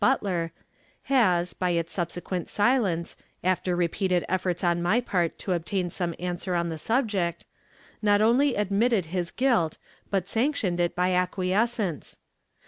Butler, has, by its subsequent silence, after repeated efforts on my part to obtain some answer on the subject, not only admitted his guilt, but sanctioned it by acquiescence. ...